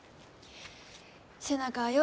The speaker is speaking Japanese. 背中はよ